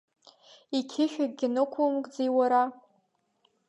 Иқьышә акгьы нықәумкӡеи, уара?